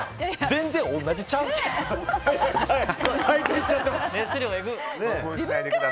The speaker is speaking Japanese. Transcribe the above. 全然、同じちゃうから！